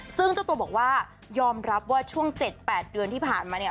ซึ่งเจ้าตัวบอกว่ายอมรับว่าช่วง๗๘เดือนที่ผ่านมาเนี่ย